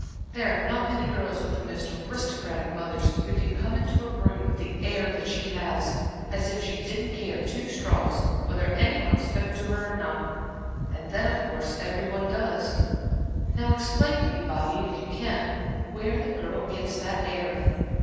There are not many girls with the most aristocratic mothers who can come into a room with the air that she has, as if she didn't care two straws whether any one spoke to her or not, and then of course every one does. Now explain to me, Bobby, if you can, where the girl gets that air."